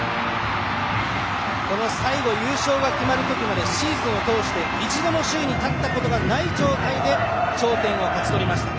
最後、優勝が決まるところまでシーズンを通して一度も首位に立ったことがない状態で頂点を勝ち取りました。